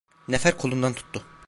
Nefer kolundan tuttu.